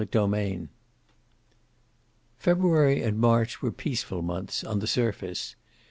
CHAPTER XXX February and March were peaceful months, on the surface.